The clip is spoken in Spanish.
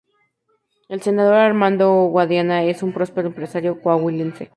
El senador Armando Guadiana es un próspero empresario Coahuilense.